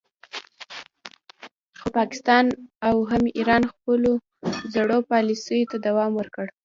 خو پاکستان او هم ایران خپلو زړو پالیسیو ته دوام ورکړ